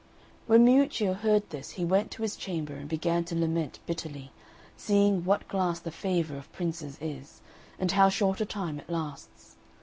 When Miuccio heard this he went to his chamber and began to lament bitterly, seeing what glass the favour of princes is, and how short a time it lasts.